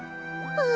ああ。